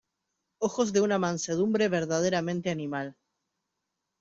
ojos de una mansedumbre verdaderamente animal.